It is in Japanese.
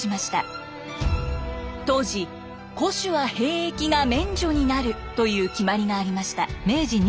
当時戸主は兵役が免除になるという決まりがありました。